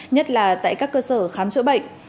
nhất là tại các cơ sở khám chữa bệnh